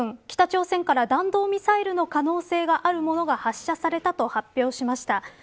北朝鮮から弾道ミサイルの可能性があるものが発射されたと発表しました。